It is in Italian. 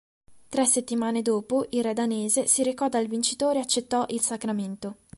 Tre settimane dopo il re danese si recò dal vincitore e accettò il sacramento.